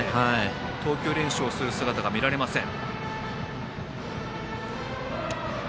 投球練習をする姿も見られません。